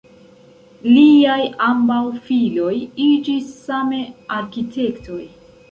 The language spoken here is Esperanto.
Liaj ambaŭ filoj iĝis same arkitektoj.